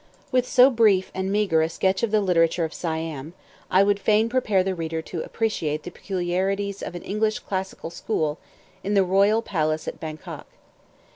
With so brief and meagre a sketch of the literature of Siam, I would fain prepare the reader to appreciate the peculiarities of an English classical school in the Royal Palace at Bangkok.